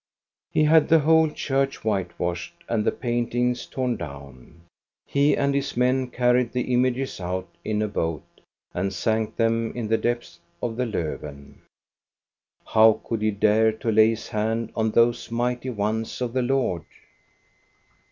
He had the whole church white washed and the paintings torn down. He and his men carried the images out in a boat and sank them in the depths of the Lofven. How could he dare to lay his hand on those mighty ones of the Lord